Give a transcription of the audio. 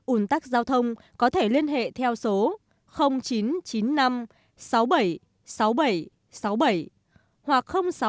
ủn tắc giao thông có thể liên hệ theo số chín trăm chín mươi năm sáu mươi bảy sáu mươi bảy sáu mươi bảy hoặc sáu trăm chín mươi hai ba trăm bốn mươi hai sáu trăm linh tám